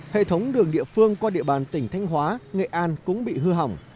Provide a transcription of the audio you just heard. hệ thống đường địa phương qua địa bàn tỉnh thanh hóa nghệ an cũng bị hư hỏng